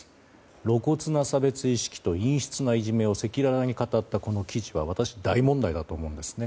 露骨な差別意識と陰湿ないじめを赤裸々に語ったこの記事は私、大問題だと思うんですね。